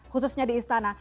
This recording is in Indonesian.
khususnya di istana